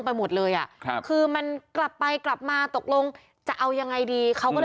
ไปหมดเลยอ่ะครับคือมันกลับไปกลับมาตกลงจะเอายังไงดีเขาก็